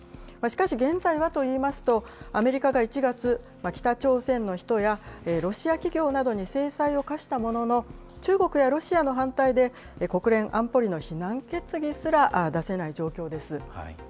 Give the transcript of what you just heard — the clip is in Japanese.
しかし、現在はといいますと、アメリカが１月、北朝鮮の人やロシア企業などに制裁を科したものの、中国やロシアの反対で国連安保理の非難決議すら出せない状況です。